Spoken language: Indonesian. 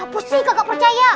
bos sih kagak percaya